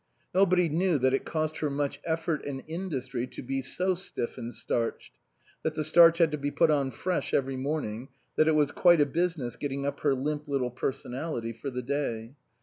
Nobody knew that it cost her much effort and industry to be so stiff and starched; that the starch had to be put on fresh every morning ; that it was quite a business getting up her limp little personality for the day.